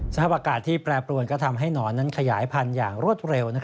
สภาพอากาศที่แปรปรวนก็ทำให้หนอนนั้นขยายพันธุ์อย่างรวดเร็ว